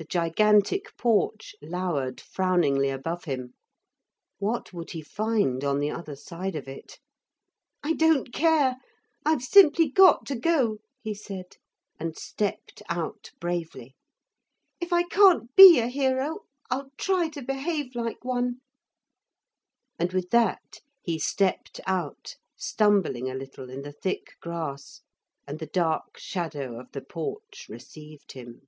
The gigantic porch lowered frowningly above him. What would he find on the other side of it? [Illustration: The gigantic porch lowered frowningly above him.] 'I don't care. I've simply got to go,' he said, and stepped out bravely. 'If I can't be a hero I'll try to behave like one.' And with that he stepped out, stumbling a little in the thick grass, and the dark shadow of the porch received him.